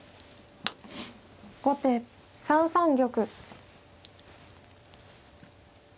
後手３三玉。